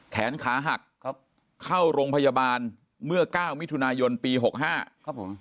แขนขาหักครับเข้าโรงพยาบาลเมื่อ๙มิถุนายนปี๖๕ครับผม